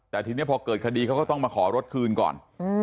แต่ทีนี้พอเกิดคดีเขาก็ต้องมาขอรถคืนก่อน